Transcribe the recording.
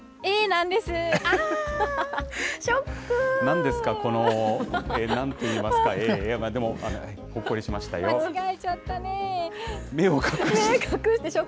なんですか、この、なんと言いますか、でも、ほっこりしましたよ。